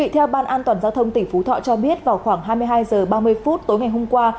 theo ban an toàn giao thông tỉnh phú thọ cho biết vào khoảng hai mươi hai h ba mươi phút tối ngày hôm qua